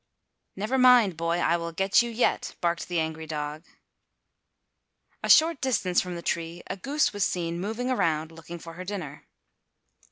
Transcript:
"Never mind, boy, I will get you yet," barked the angry dog. A short distance from the tree a goose was seen moving around looking for her dinner.